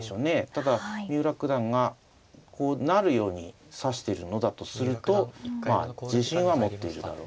ただ三浦九段がこうなるように指してるのだとするとまあ自信は持っているだろうと。